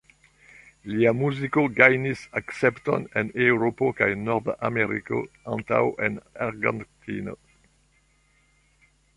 Lia muziko gajnis akcepton en Eŭropo kaj Nord-Ameriko antaŭ en Argentino.